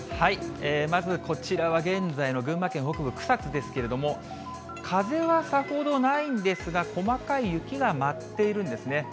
まずこちらは現在の群馬県北部、草津ですけれども、風はさほどないんですが、細かい雪が舞っているんですね。